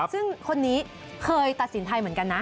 ซึ่งคนนี้เคยตัดสินไทยเหมือนกันนะ